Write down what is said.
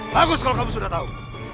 bagus kalau kamu sudah tahu